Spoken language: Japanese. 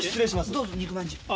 どうぞ肉まんじゅう。